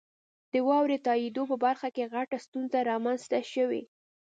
د واورئ تائیدو په برخه کې غټه ستونزه رامنځته شوي.